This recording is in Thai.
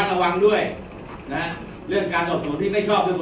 สวัสดีครับ